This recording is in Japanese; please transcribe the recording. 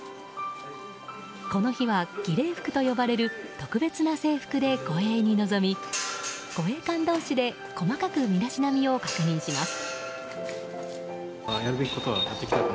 この日は儀礼服と呼ばれる特別な制服で護衛に臨み護衛官同士で細かく身だしなみを確認します。